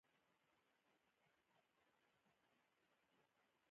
د دغو پيسو پر شمېر تمرکز وکړئ.